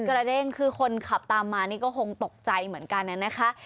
กระเด้งคือคนขับตามมานี่ก็คงตกใจเหมือนกันนะคะ